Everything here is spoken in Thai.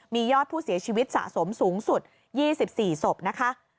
มียอดผู้เสียชีวิตสะสมสูงสุด๒๔ศพนะคะ